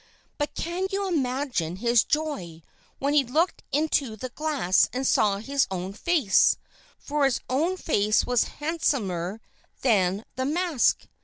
But can you imagine his joy when he looked into the glass and saw his own face for his own face was handsomer than the mask!